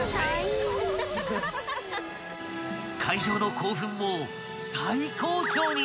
［会場の興奮も最高潮に！］